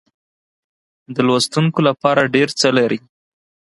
د لوستونکو لپاره ډېر څه لري.